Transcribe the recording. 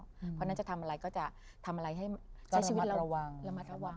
เพราะฉะนั้นจะทำอะไรก็จะทำอะไรให้ใช้ชีวิตระมัดระวัง